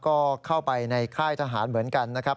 ก็เข้าไปในค่ายทหารเหมือนกันนะครับ